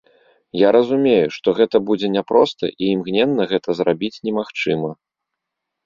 Я разумею, што гэта будзе няпроста і імгненна гэта зрабіць немагчыма.